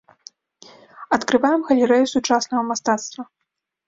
Адкрываем галерэю сучаснага мастацтва.